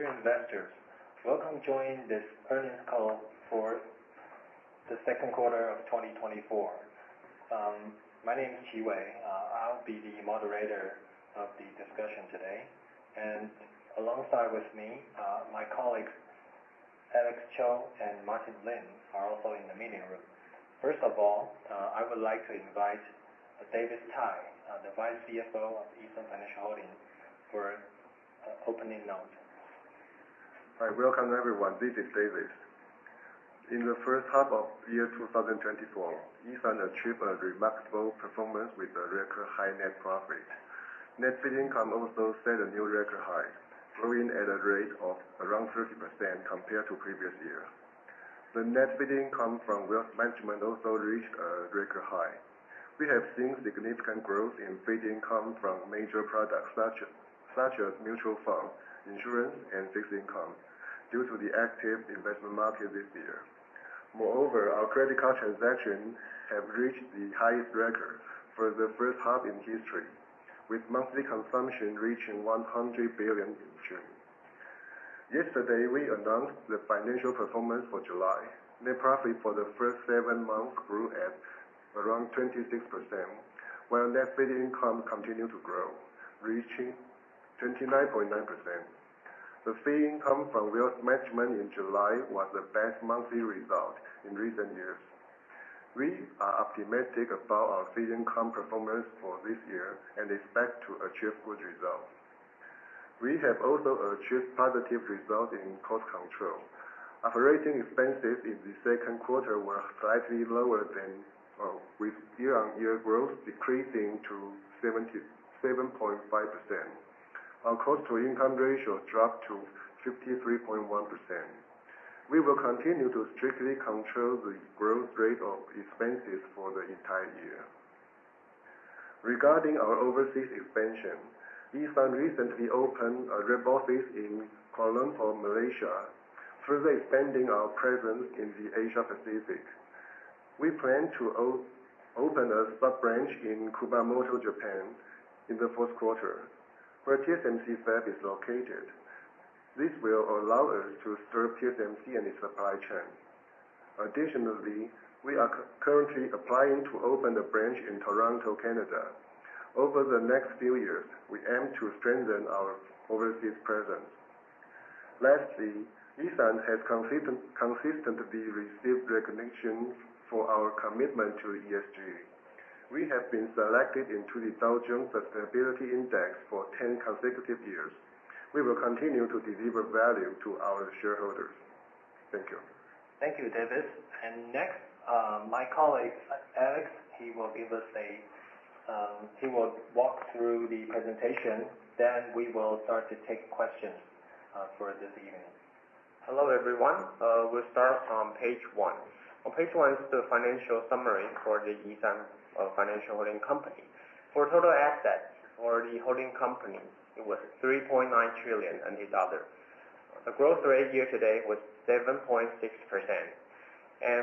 Dear investors, welcome to this earnings call for the second quarter of 2024. My name is Qi Wei. I will be the moderator of the discussion today. Alongside me, my colleagues, Alex Cho and Martin Lin, are also in the meeting room. First of all, I would like to invite David Tai, the Vice CFO of E.SUN Financial Holding, for an opening note. Welcome, everyone. This is David. In the first half of the year 2024, E.SUN achieved a remarkable performance with a record high net profit. Net fee income also set a new record high, growing at a rate of around 30% compared to the previous year. The net fee income from wealth management also reached a record high. We have seen significant growth in fee income from major products such as mutual funds, insurance, and fixed income due to the active investment market this year. Moreover, our credit card transactions have reached the highest record for the first half in history, with monthly consumption reaching 100 billion in June. Yesterday, we announced the financial performance for July. Net profit for the first seven months grew at around 26%, while net fee income continued to grow, reaching 29.9%. The fee income from wealth management in July was the best monthly result in recent years. We are optimistic about our fee income performance for this year and expect to achieve good results. We have also achieved positive results in cost control. Operating expenses in the second quarter were slightly lower, with year-on-year growth decreasing to 77.5%. Our cost-to-income ratio dropped to 53.1%. We will continue to strictly control the growth rate of expenses for the entire year. Regarding our overseas expansion, E.SUN recently opened a rep office in Kuala Lumpur, Malaysia, further expanding our presence in the Asia-Pacific. We plan to open a sub-branch in Kumamoto, Japan, in the fourth quarter, where TSMC Fab is located. This will allow us to serve TSMC and its supply chain. Additionally, we are currently applying to open a branch in Toronto, Canada. Over the next few years, we aim to strengthen our overseas presence. Lastly, E.SUN has consistently received recognition for our commitment to ESG. We have been selected into the Dow Jones Sustainability Index for 10 consecutive years. We will continue to deliver value to our shareholders. Thank you. Thank you, David. Next, my colleague, Alex, he will walk through the presentation, then we will start to take questions for this evening. Hello, everyone. We'll start on page one. On page one is the financial summary for E.SUN Financial Holding Company. For total assets for the holding company, it was 3.9 trillion. The growth rate year-to-date was 7.6%.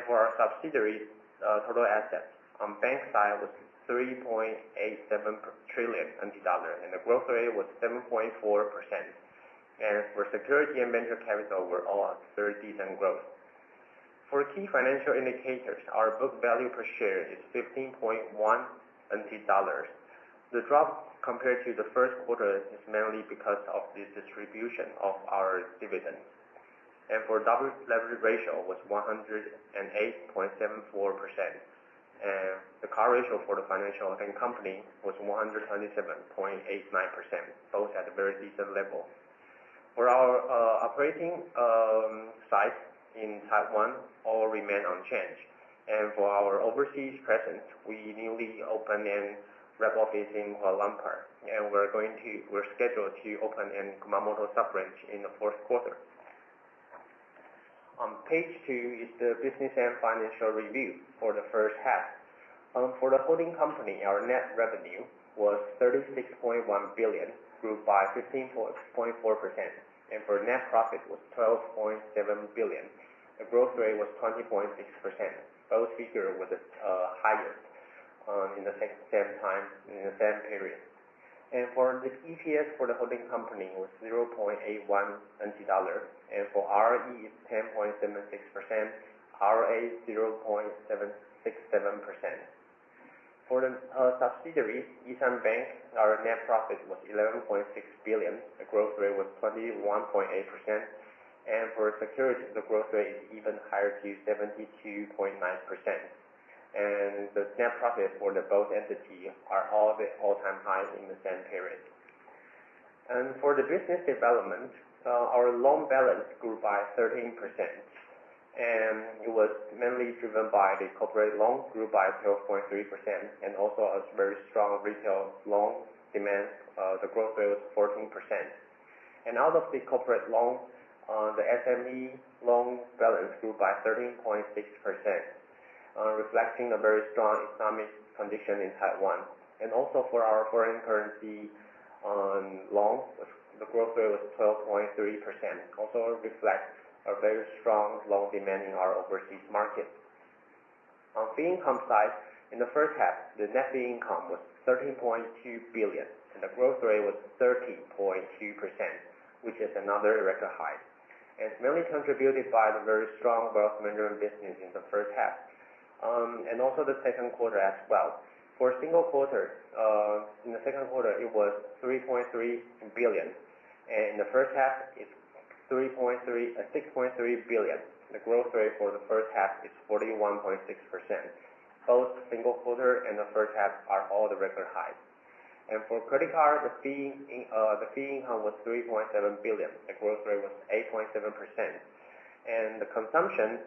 For our subsidiaries, total assets on the bank side was 3.87 trillion dollars, and the growth rate was 7.4%. For securities and venture capital, we're all on very decent growth. For key financial indicators, our book value per share is 15.1 dollars. The drop compared to the first quarter is mainly because of the distribution of our dividends. For the debt-to-leverage ratio, it was 108.74%. The cover ratio for the financial holding company was 127.89%, both at a very decent level. For our operating sites in Taiwan, all remain unchanged. For our overseas presence, we newly opened a rep office in Kuala Lumpur, and we're scheduled to open a Kumamoto sub-branch in the fourth quarter. On page two is the business and financial review for the first half. For the holding company, our net revenue was 36.1 billion, grew by 15.4%, and for net profit, it was 12.7 billion. The growth rate was 20.6%. Both figures were the highest in the same period. For the EPS for the holding company, it was 0.81 dollars, and for ROE, it's 10.76%. ROA is 0.767%. For the subsidiary, E.SUN Bank, our net profit was 11.6 billion. The growth rate was 21.8%. For securities, the growth rate is even higher at 72.9%. The net profit for both entities are all at an all-time high in the same period. For the business development, our loan balance grew by 13%, and it was mainly driven by the corporate loans, which grew by 12.3%, and also a very strong retail loan demand. The growth rate was 14%. Out of the corporate loans, the SME loan balance grew by 13.6%, reflecting a very strong economic condition in Taiwan. Also for our foreign currency loans, the growth rate was 12.3%, also reflects a very strong loan demand in our overseas market. On fee income side, in the first half, the net fee income was 13.2 billion, and the growth rate was 13.2%, which is another record high. It's mainly contributed by the very strong wealth management business in the first half, and also the second quarter as well. For a single quarter, in the second quarter, it was 3.3 billion, and in the first half it's 6.3 billion. The growth rate for the first half is 41.6%. Both single quarter and the first half are all the record high. For credit card, the fee income was 3.7 billion. The growth rate was 8.7%. The consumption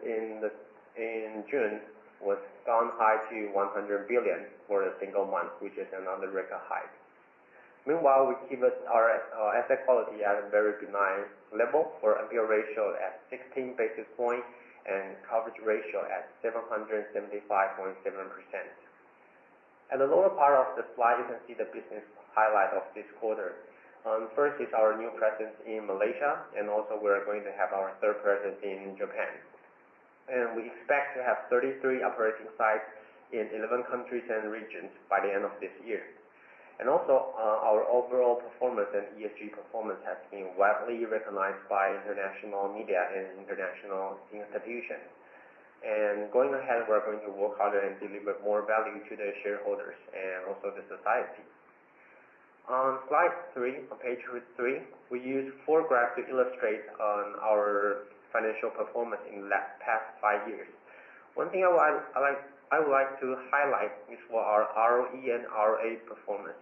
in June was gone high to 100 billion for a single month, which is another record high. Meanwhile, we keep our asset quality at a very benign level for NPL ratio at 16 basis points and coverage ratio at 775.7%. At the lower part of the slide, you can see the business highlight of this quarter. First is our new presence in Malaysia. Also, we are going to have our third presence in Japan. We expect to have 33 operating sites in 11 countries and regions by the end of this year. Our overall performance and ESG performance has been widely recognized by international media and international institutions. Going ahead, we are going to work harder and deliver more value to the shareholders and also the society. On slide three, on page three, we use four graphs to illustrate on our financial performance in the past five years. One thing I would like to highlight is for our ROE and ROA performance.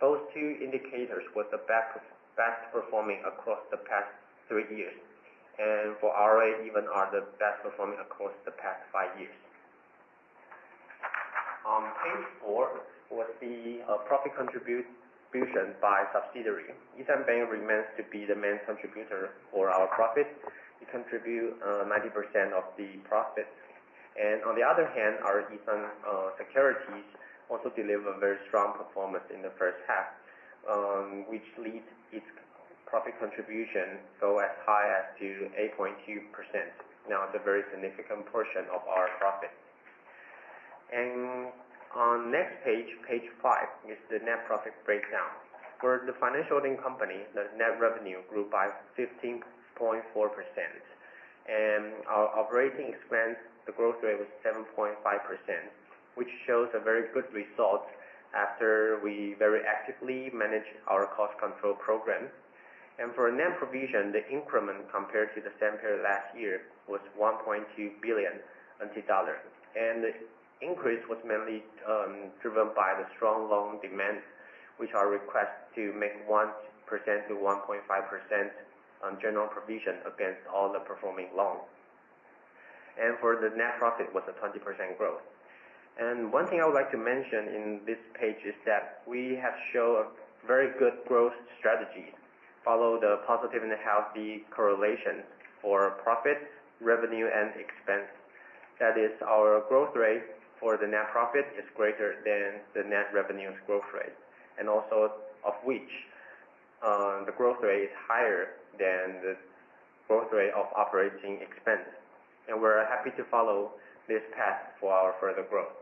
Those two indicators were the best performing across the past three years. For ROA, even are the best performing across the past five years. On page four was the profit contribution by subsidiary. E.SUN Bank remains to be the main contributor for our profit. It contribute 90% of the profit. On the other hand, our E.SUN Securities also deliver very strong performance in the first half, which lead its profit contribution go as high as to 8.2%. Now it's a very significant portion of our profit. On next page five, is the net profit breakdown. For the financial holding company, the net revenue grew by 15.4%. Our operating expense, the growth rate was 7.5%, which shows a very good result after we very actively managed our cost control program. For net provision, the increment compared to the same period last year was 1.2 billion dollars. The increase was mainly driven by the strong loan demand, which are request to make 1%-1.5% general provision against all the performing loans. For the net profit was a 20% growth. One thing I would like to mention in this page is that we have shown a very good growth strategy, follow the positive and healthy correlation for profit, revenue, and expense. That is our growth rate for the net profit is greater than the net revenue's growth rate. Of which, the growth rate is higher than the growth rate of operating expense. We're happy to follow this path for our further growth.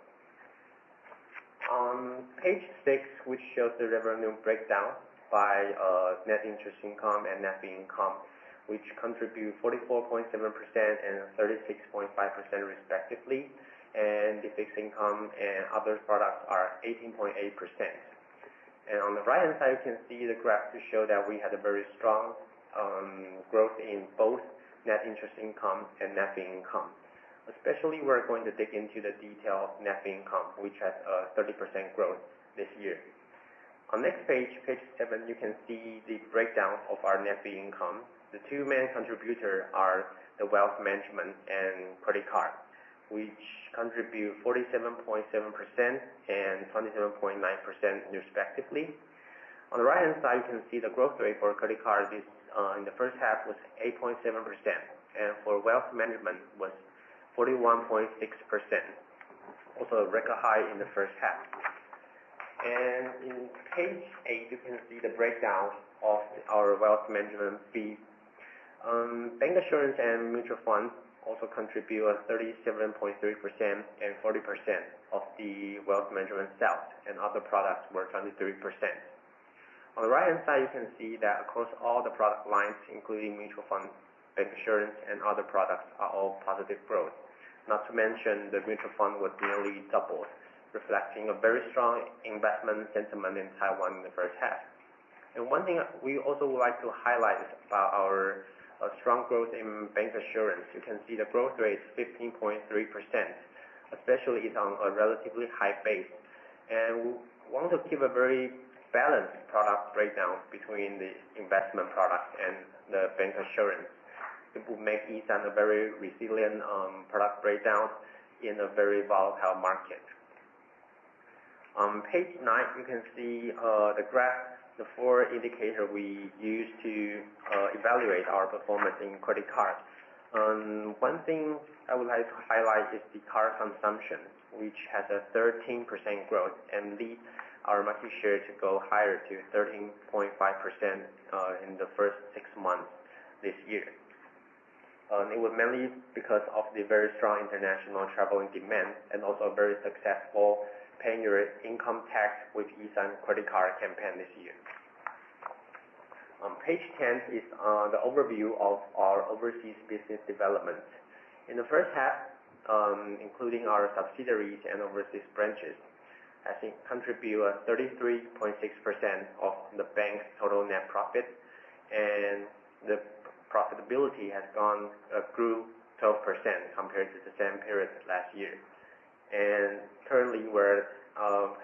On page six, which shows the revenue breakdown by net interest income and net fee income, which contribute 44.7% and 36.5% respectively. The fixed income and other products are 18.8%. On the right-hand side, you can see the graph to show that we had a very strong growth in both net interest income and net fee income. Especially, we're going to dig into the detail of net fee income, which has a 30% growth this year. On next page seven, you can see the breakdown of our net fee income. The two main contributors are the wealth management and credit card, which contribute 47.7% and 27.9% respectively. On the right-hand side, you can see the growth rate for credit card in the first half was 8.7%, and for wealth management was 41.6%. Also, a record high in the first half. In page eight, you can see the breakdown of our wealth management fees. Bancassurance and mutual funds also contribute a 37.3% and 40% of the wealth management sales, and other products were 23%. On the right-hand side, you can see that across all the product lines, including mutual funds, bancassurance, and other products, are all positive growth. Not to mention, the mutual funds was nearly double, reflecting a very strong investment sentiment in Taiwan in the first half. One thing we also would like to highlight is about our strong growth in bancassurance. You can see the growth rate is 15.3%, especially it's on a relatively high base. We want to keep a very balanced product breakdown between the investment product and the bancassurance. It will make E.SUN a very resilient product breakdown in a very volatile market. On page nine, you can see the graph, the four indicators we use to evaluate our performance in credit card. One thing I would like to highlight is the card consumption, which has a 13% growth, and led our market share to go higher to 13.5% in the first six months this year. It was mainly because of the very strong international traveling demand and also a very successful pay your income tax with E.SUN credit card campaign this year. On page 10 is the overview of our overseas business development. In the first half, including our subsidiaries and overseas branches, contributed 33.6% of the bank's total net profit, and the profitability has grown 12% compared to the same period last year. Currently, we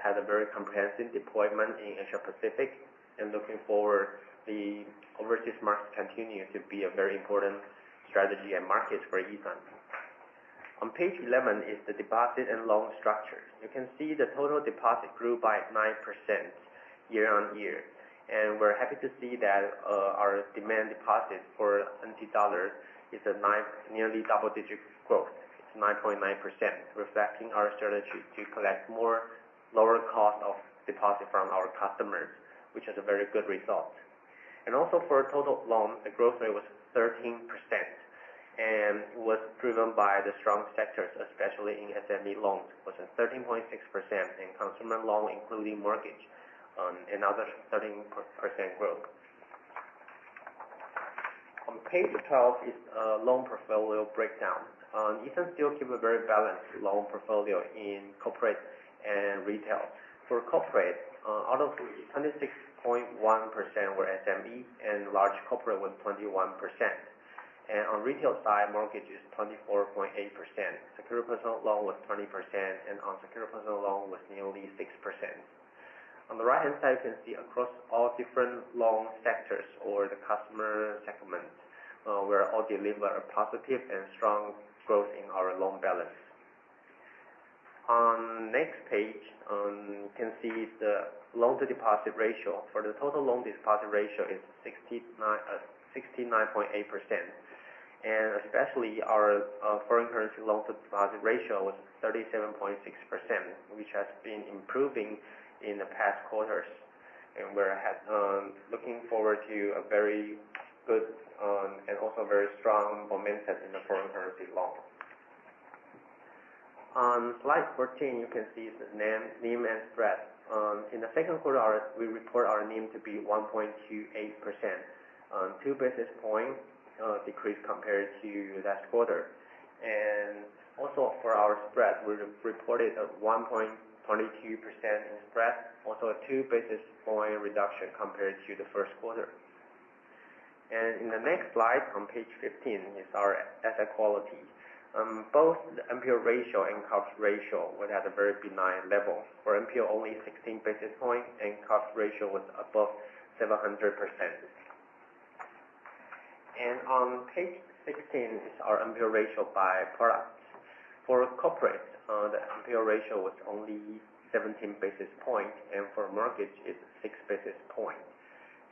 have a very comprehensive deployment in Asia Pacific and looking forward, the overseas market continues to be a very important strategy and market for E.SUN. On page 11 is the deposit and loan structures. You can see the total deposit grew by 9% year-on-year. We're happy to see that our demand deposit for TWD is a nearly double-digit growth. It's 9.9%, reflecting our strategy to collect more lower cost of deposit from our customers, which is a very good result. Also for total loans, the growth rate was 13% and was driven by the strong sectors, especially in SME loans, was at 13.6%, and consumer loans, including mortgage, another 13% growth. On page 12 is loan portfolio breakdown. E.SUN still keeps a very balanced loan portfolio in corporate and retail. For corporate, out of 76.1% were SME, and large corporate was 21%. On retail side, mortgage is 24.8%. Secured personal loan was 20%, and unsecured personal loan was nearly 6%. On the right-hand side, you can see across all different loan sectors or the customer segments, we're all delivering a positive and strong growth in our loan balance. On next page, you can see the loan-to-deposit ratio. For the total loan-to-deposit ratio is 69.8%. Our foreign currency loan-to-deposit ratio was 37.6%, which has been improving in the past quarters. We're looking forward to a very good, also very strong momentum in the foreign currency loan. On slide 14, you can see the NIM and spread. In the second quarter, we report our NIM to be 1.28%, two basis point decrease compared to last quarter. Also for our spread, we reported a 1.22% in spread, also a two basis point reduction compared to the first quarter. In the next slide, on page 15, is our asset quality. Both the NPL ratio and coverage ratio were at a very benign level. For NPL, only 16 basis point, and coverage ratio was above 700%. On page 16 is our NPL ratio by products. For corporate, the NPL ratio was only 17 basis point, and for mortgage, it's six basis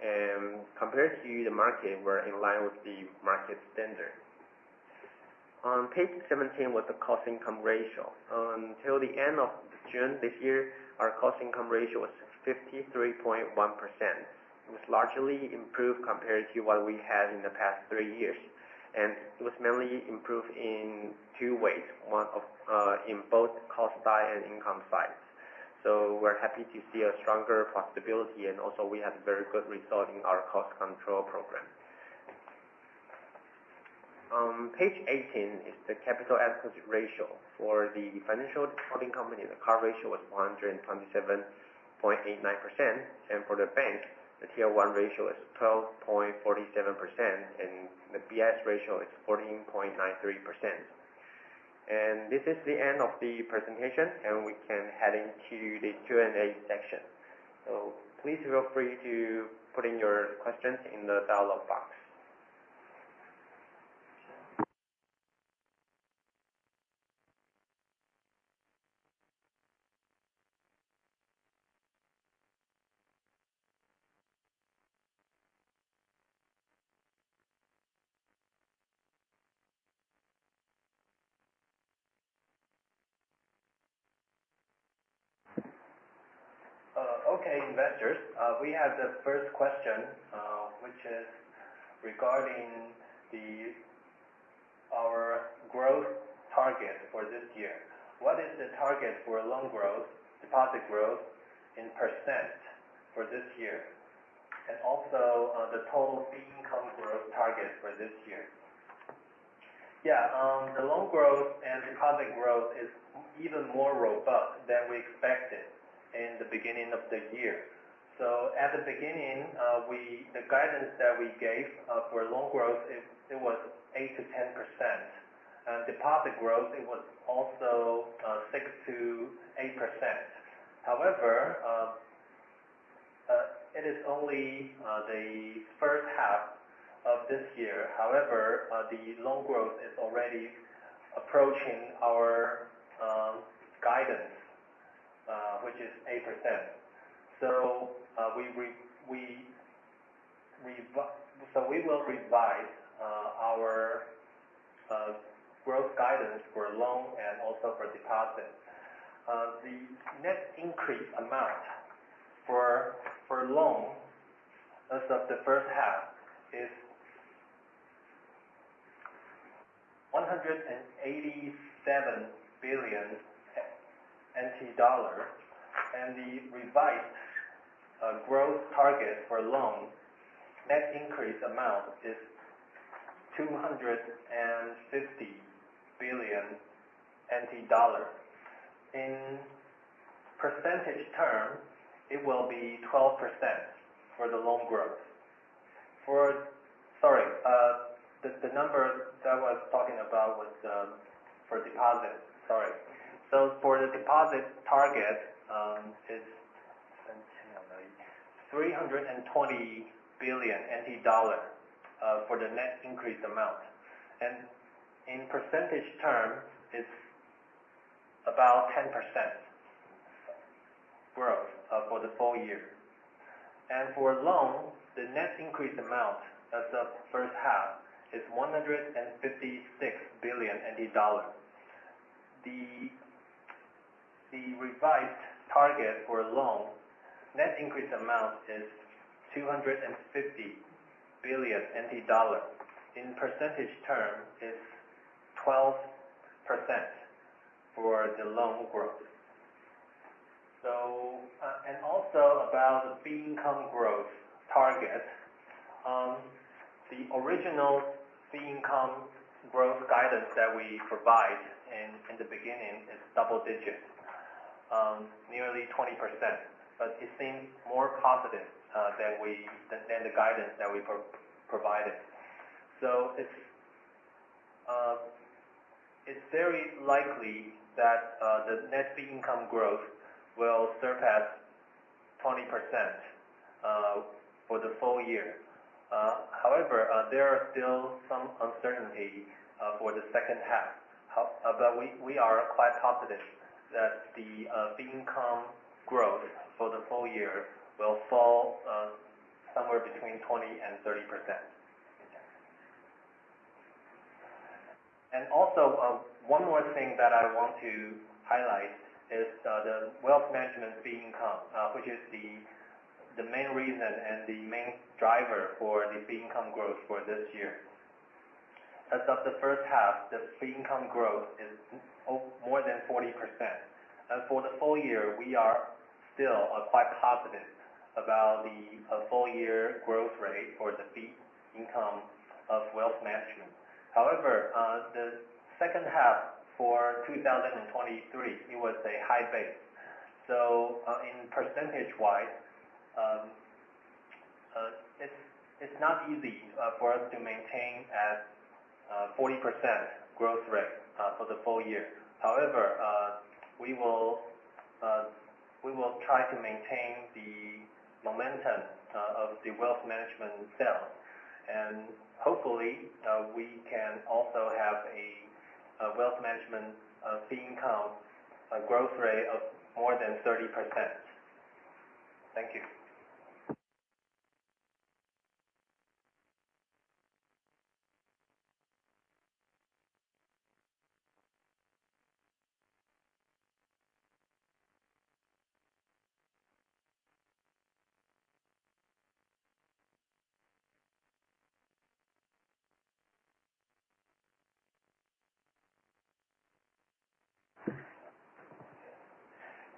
point. Compared to the market, we're in line with the market standard. On page 17 was the cost-to-income ratio. Until the end of June this year, our cost-to-income ratio was 53.1%. It was largely improved compared to what we had in the past three years, it was mainly improved in two ways, in both cost side and income sides. We're happy to see a stronger profitability, also we had a very good result in our cost control program. On page 18 is the capital adequacy ratio. For the financial holding company, the CAR ratio was 127.89%. For the bank, the Tier 1 ratio is 12.47%, the BIS ratio is 14.93%. This is the end of the presentation, we can head into the Q&A section. Please feel free to put in your questions in the dialog box. Okay, investors, we have the first question, which is regarding our growth target for this year. What is the target for loan growth, deposit growth in percent for this year, and also the total fee income growth target for this year? Yeah. The loan growth and deposit growth is even more robust than we expected in the beginning of the year. At the beginning, the guidance that we gave for loan growth, it was 8%-10%. Deposit growth, it was also 6%-8%. However, it is only the first half of this year. However, the loan growth is already approaching our guidance, which is 8%. We will revise our growth guidance for loan and also for deposits. The net increase amount For loan, as of the first half, is 187 billion NT dollars, the revised growth target for loan net increase amount is TWD 250 billion. In percentage terms, it will be 12% for the loan growth. Sorry, the number that I was talking about was for deposit. Sorry. For the deposit target, it's 320 billion NT dollar for the net increase amount. In percentage terms, it's about 10% growth for the full year. For loans, the net increase amount as of the first half is 156 billion. The revised target for loan net increase amount is 250 billion NT dollar. In percentage terms, it's 12% for the loan growth. Also about the fee income growth target. The original fee income growth guidance that we provide in the beginning is double digits, nearly 20%, it seems more positive than the guidance that we provided. It's very likely that the net fee income growth will surpass 20% for the full year. However, there is still some uncertainty for the second half. We are quite confident that the fee income growth for the full year will fall somewhere between 20%-30%. One more thing that I want to highlight is the wealth management fee income, which is the main reason and the main driver for the fee income growth for this year. As of the first half, the fee income growth is more than 40%. For the full year, we are still quite positive about the full-year growth rate for the fee income of wealth management. However, the second half for 2023, it was a high base. In percentage-wise, it's not easy for us to maintain at 40% growth rate for the full year. We will try to maintain the momentum of the wealth management itself, and hopefully, we can also have a wealth management fee income growth rate of more than 30%. Thank you.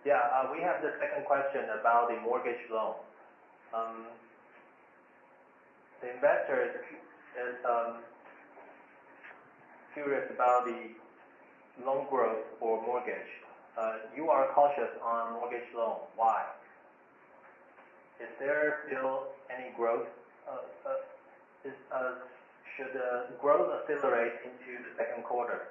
We have the second question about the mortgage loan. The investor is curious about the loan growth for mortgage. You are cautious on mortgage loan. Why? Is there still any growth? Should growth accelerate into the second quarter?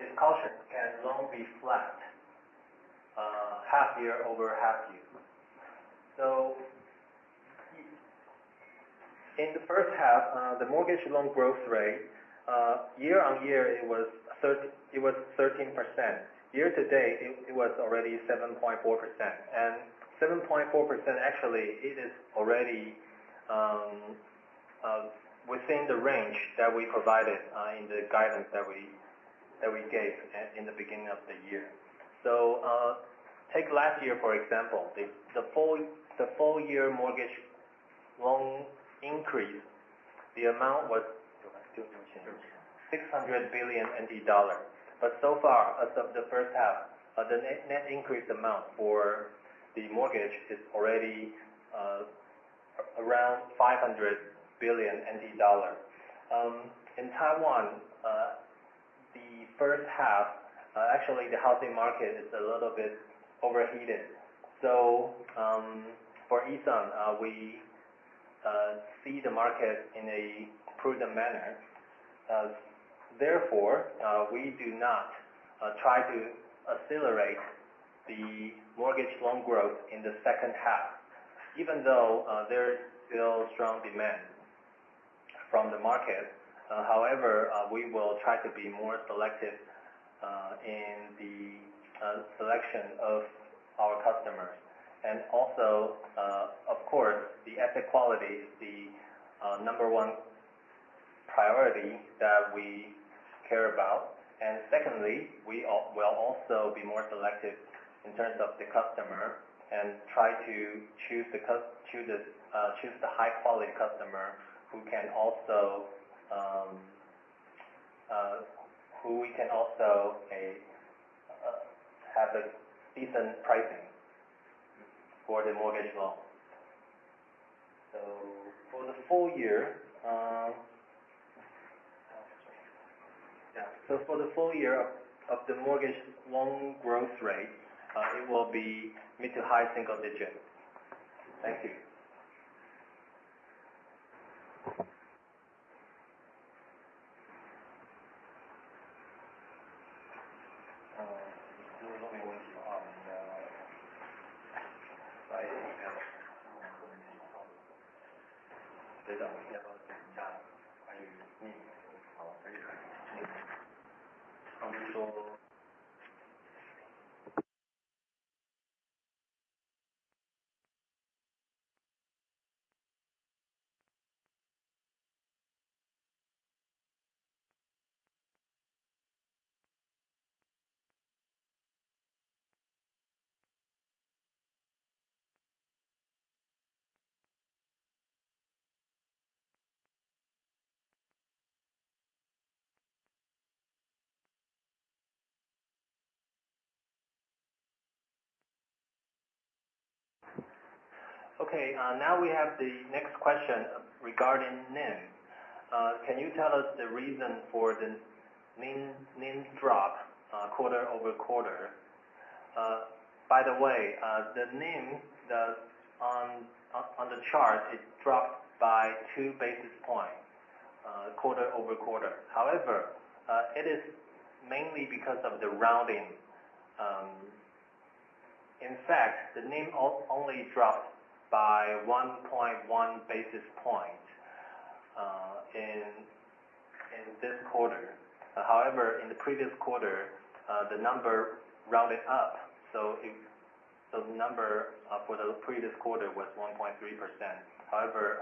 If cautious, can loan be flat half year over half year? In the first half, the mortgage loan growth rate, year-on-year, it was 13%. Year-to-date, it was already 7.4%. 7.4%, actually, it is already within the range that we provided in the guidance that we gave in the beginning of the year. Take last year, for example, the full year mortgage loan increase, the amount was 600 billion NT dollars. So far, as of the first half, the net increase amount for the mortgage is already around TWD 500 billion. In Taiwan, the first half, actually, the housing market is a little bit overheated. For E.SUN, we see the market in a prudent manner. Therefore, we do not try to accelerate the mortgage loan growth in the second half, even though there is still strong demand from the market. However, we will try to be more selective in the selection of our customers. Of course, the asset quality is the number one priority that we care about. Secondly, we will also be more selective in terms of the customer and try to choose the high-quality customer who we can also have a decent pricing for the mortgage loan. For the full year of the mortgage loan growth rate, it will be mid to high single digits. Thank you. Now we have the next question regarding NIM. Can you tell me the reason for the NIM drop quarter-over-quarter? By the way, the NIM on the chart is dropped by two basis points quarter-over-quarter. However, it is mainly because of the rounding. In fact, the NIM only dropped by 1.1 basis points in this quarter. However, in the previous quarter, the number rounded up, so the number for the previous quarter was 1.3%. However,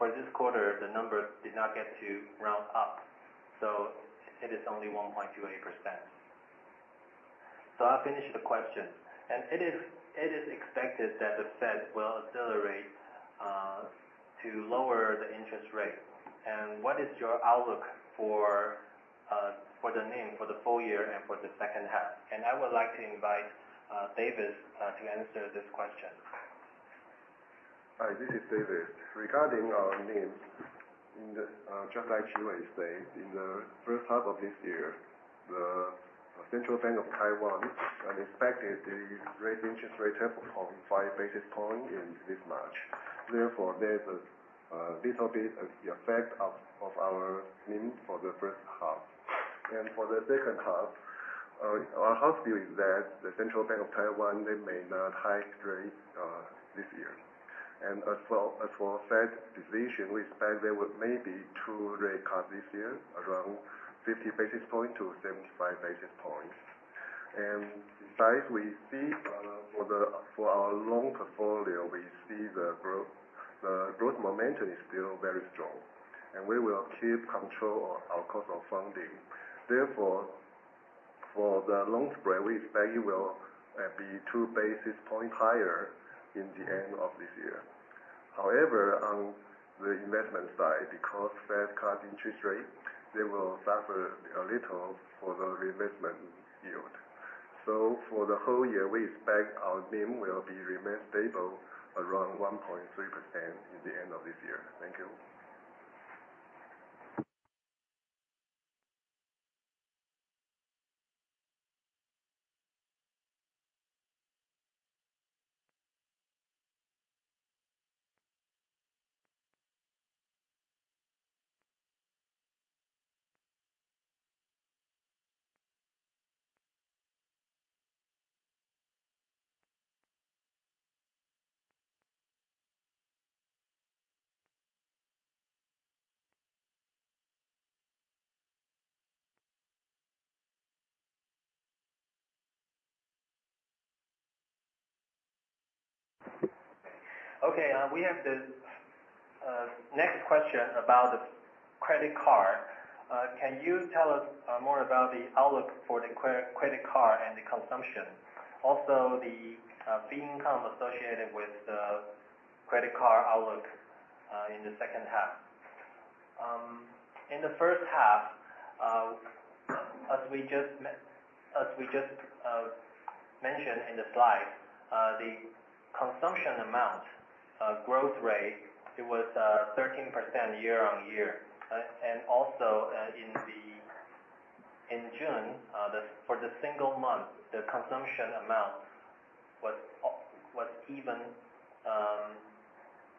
for this quarter, the number did not get to round up, so it is only 1.28%. I'll finish the question. It is expected that the Fed will accelerate to lower the interest rate. What is your outlook for the NIM for the full year and for the second half? I would like to invite Davis to answer this question. Hi, this is Davis. Regarding our NIM, just like Chi-hui said, in the first half of this year, the Central Bank of Taiwan unexpectedly raised interest rate up of five basis points in this March, therefore, there's a little bit of the effect of our NIM for the first half. For the second half, our house view is that the Central Bank of Taiwan, they may not hike rates this year. As for Fed decision, we expect there may be two rate cuts this year, around 50 basis points-75 basis points. Besides, for our loan portfolio, we see the growth momentum is still very strong, and we will keep control of our cost of funding. Therefore, for the loan spread, we expect it will be two basis points higher in the end of this year. However, on the investment side, because Fed cut interest rate, they will suffer a little for the reinvestment yield. For the whole year, we expect our NIM will be remain stable around 1.3% in the end of this year. Thank you. Okay, we have the next question about the credit card. Can you tell us more about the outlook for the credit card and the consumption? Also, the fee income associated with the credit card outlook in the second half. In the first half, as we just mentioned in the slide, the consumption amount growth rate, it was 13% year-over-year. Also, in June, for the single month, the consumption amount was even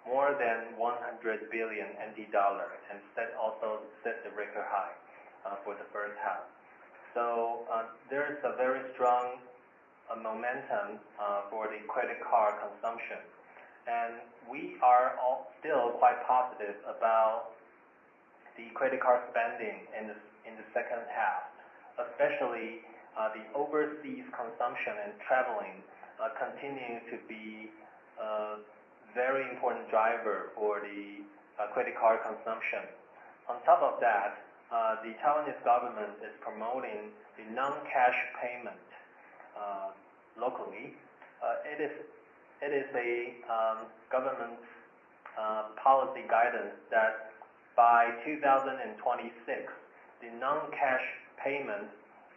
more than 100 billion NT dollar and also set the record high for the first half. There is a very strong momentum for the credit card consumption, we are still quite positive about the credit card spending in the second half, especially the overseas consumption and traveling continuing to be a very important driver for the credit card consumption. On top of that, the Taiwanese government is promoting the non-cash payment locally. It is a government policy guidance that by 2026, the non-cash payment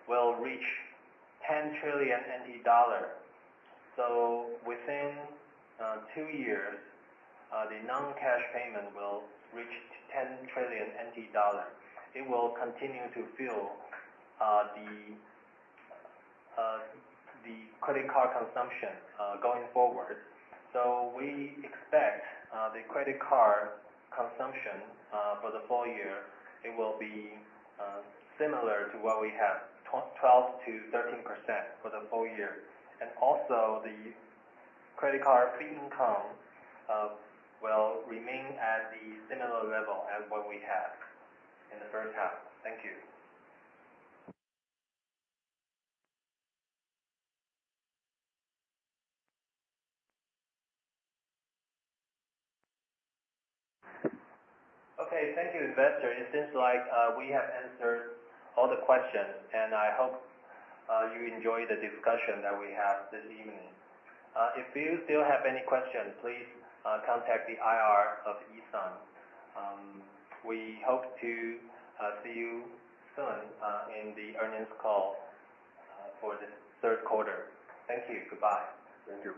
will reach 10 trillion dollar. Within two years, the non-cash payment will reach 10 trillion NT dollar. It will continue to fuel the credit card consumption going forward. We expect the credit card consumption for the full year, it will be similar to what we have, 12%-13% for the full year. Also, the credit card fee income will remain at the similar level as what we had in the first half. Thank you. Okay, thank you, investor. It seems like we have answered all the questions, and I hope you enjoyed the discussion that we had this evening. If you still have any questions, please contact the IR of E.SUN. We hope to see you soon in the earnings call for the third quarter. Thank you. Goodbye. Thank you.